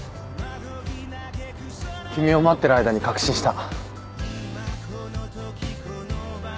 君を待ってる間に確信した。